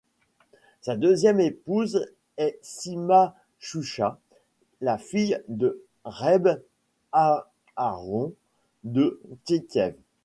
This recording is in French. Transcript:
Sa deuxième épouse est Sima Chusha, la fille de Reb Aharon de Titiev.